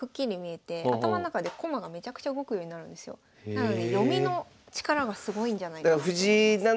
なので読みの力がすごいんじゃないかなと思います。